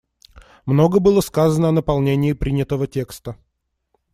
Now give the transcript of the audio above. Много было сказано о наполнении принятого текста.